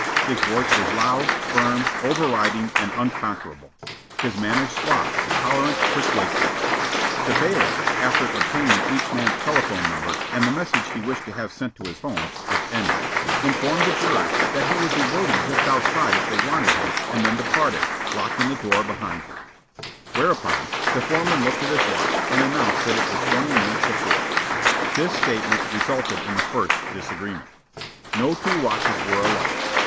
His voice was loud, firm, overriding and unconquerable; his manner suave, tolerant, persuasive. The bailiff, after obtaining each man's telephone number and the message he wished to have sent to his home (if any), informed the jurors that he would be waiting just outside if they wanted him and then departed, locking the door behind him; whereupon the foreman looked at his watch and announced that it was twenty minutes to four. This statement resulted in the first disagreement. No two watches were alike.